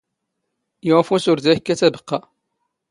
ⵢⴰⵏ ⵓⴼⵓⵙ ⵓⵔ ⴷⴰ ⵉⴽⴽⴰⵜ ⴰⵛⴱⵇⵇⴰ